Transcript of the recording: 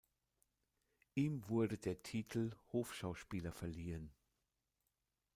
Ihm wurde der Titel Hofschauspieler verliehen.